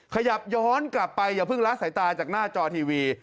ขยับย้อนกลับไปอย่าเพิ่งละสายตาจากหน้าจอทีวี